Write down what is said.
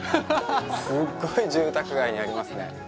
すっごい住宅街にありますね。